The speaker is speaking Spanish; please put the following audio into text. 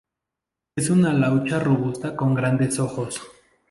Es una laucha robusta con grandes ojos.